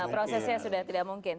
prosesnya sudah tidak mungkin